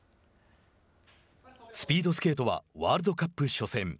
スピードスケートはワールドカップ初戦。